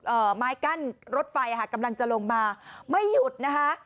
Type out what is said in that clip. ไม้กั้นรถไฟอ่ะค่ะกำลังจะลงมาไม่หยุดนะคะ